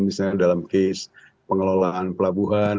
misalnya dalam case pengelolaan pelabuhan